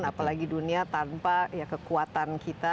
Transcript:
apalagi dunia tanpa kekuatan kita